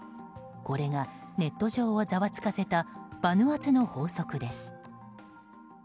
これがネット上をざわつかせたバヌアツの法則です。